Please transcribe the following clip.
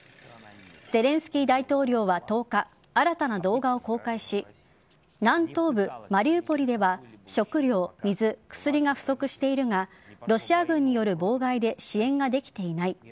ゼレンスキー大統領は１０日新たな動画を公開し南東部・マリウポリでは食料、水、薬が不足しているがロシア軍による妨害で支援ができていない。